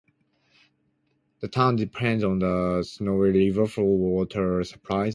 The town depends on the Snowy River for water supplies.